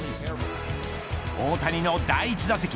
大谷の第１打席。